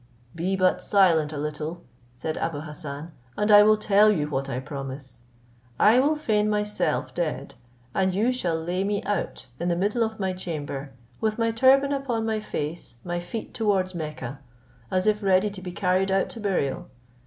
"Be but silent a little," said Abou Hassan, "and I will tell you what I promise. I will feign myself dead, and you shall lay me out in the middle of my chamber, with my turban upon my face, my feet towards Mecca, as if ready to be carried out to burial.